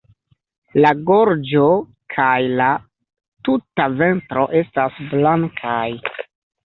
La gorĝo kaj la tuta ventro estas blankaj.